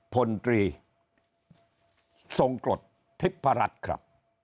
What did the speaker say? ผลตรีสงกรตธิพรรดิครับ